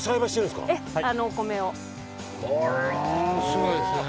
すごいですね。